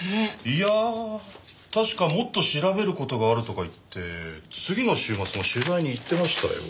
いや確かもっと調べる事があるとか言って次の週末も取材に行ってましたよ。